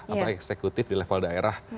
atau eksekutif di level daerah